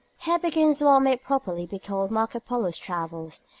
Here begins what may properly be called Marco Polo's travels.